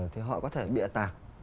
thì họ có thể bịa tạc